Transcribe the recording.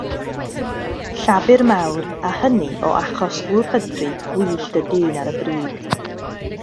Llafur mawr, a hynny o achos gwrhydri gwyllt y dyn ar y brig!